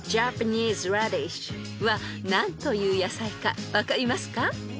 ［何という野菜か分かりますか？］